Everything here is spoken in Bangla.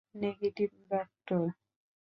Negative, doctor.